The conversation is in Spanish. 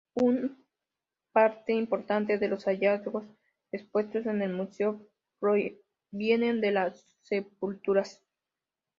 Un parte importante de los hallazgos expuestos en el museo provienen de las sepulturas.